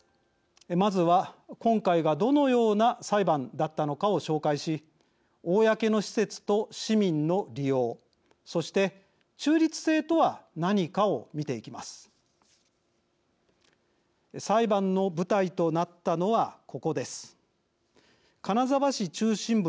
まずは、今回はどのような裁判だったのかを紹介し公の施設と市民の利用そして、中立性とは何かを見ていきます。